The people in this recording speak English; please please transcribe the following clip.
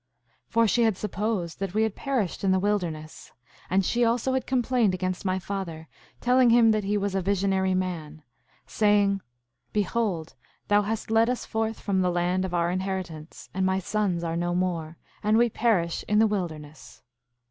5:2 For she had supposed that we had perished in the wilderness; and she also had complained against my father, telling him that he was a visionary man; saying: Behold thou hast led us forth from the land of our inheritance, and my sons are no more, and we perish in the wilderness.